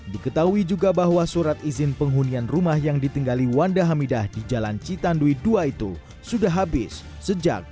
diketahui juga bahwa surat izin penghunian rumah yang ditinggali wanda hamida di jalan citandui dua itu sudah habis sejak dua ribu dua belas